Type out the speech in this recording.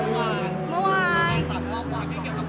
ปีนี้เหมือนว่าใต้คุณผู้ที่เล่นเป็นแล้ว